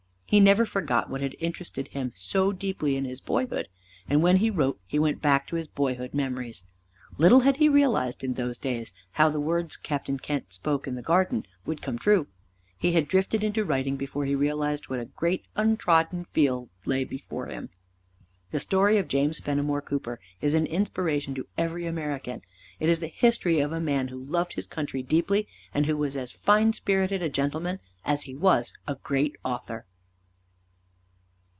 He never forgot what had interested him so deeply in his boyhood, and when he wrote he went back to his boyhood memories. Little had he realized in those days how the words Captain Kent spoke in the garden would come true. He had drifted into writing before he realized what a great untrodden field lay before him. The story of James Fenimore Cooper is an inspiration to every American. It is the history of a man who loved his country deeply, and who was as fine spirited a gentleman as he was a great author.